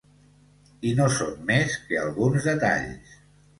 I no són més que alguns detalls.